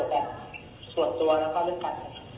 เป็นอะไรนะครับ